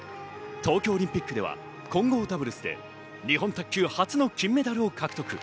東京オリンピックでは混合ダブルスで日本卓球初の金メダルを獲得。